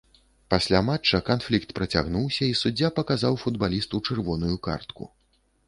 Пасля матча канфлікт працягнуўся, і суддзя паказаў футбалісту чырвоную картку.